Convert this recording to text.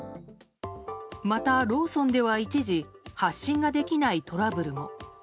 また、ローソンでは一時発信ができないトラブルも。